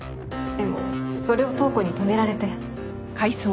でもそれを塔子に止められて。